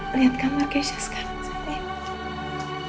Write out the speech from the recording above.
lihat kamar keisha sekarang